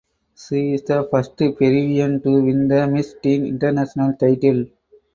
She is the first Peruvian to win the Miss Teen International title.